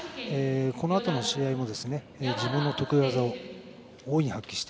このあとの試合も自分の得意技を大いに発揮して。